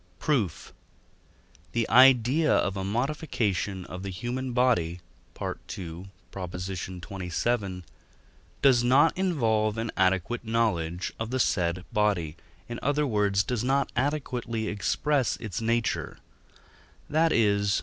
Proof. The idea of a modification of the human body (II. xxvii.) does not involve an adequate knowledge of the said body, in other words, does not adequately express its nature; that is (II.